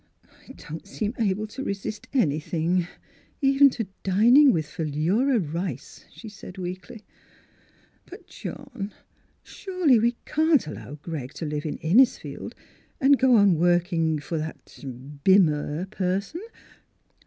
" I don't seem able to resist anything, even to dining with Philura Rice," she said weakly. "But, John, surely we can't allow Greg to live in Innisfield and go on working for that — Bimmer per son.